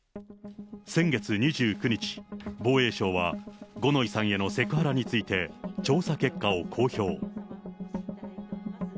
先月２９日、防衛省は、五ノ井さんへのセクハラについて、調査結果を公表。